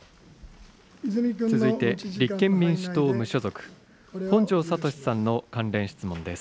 続いて、立憲民主党・無所属、本庄知史さんの関連質問です。